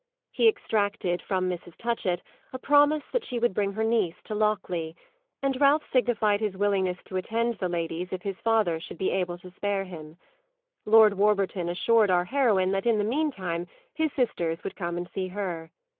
He extracted from Mrs. Touchett a promise that she would bring her niece to Lockleigh, and Ralph signified his willingness to attend the ladies if his father should be able to spare him. Lord Warburton assured our heroine that in the mean time his sisters would come and see her.